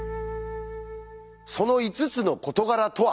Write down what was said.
その５つの事柄とは？